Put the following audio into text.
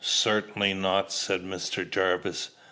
"Certainly not," said Mr. Jarvis.